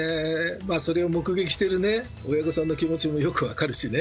それを目撃している親御さんの気持ちもよく分かるしね